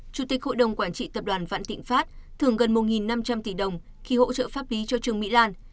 chủ tịch hội đồng quản trị tập đoàn vạn thịnh pháp thưởng gần một năm trăm linh tỷ đồng khi hỗ trợ pháp lý cho trương mỹ lan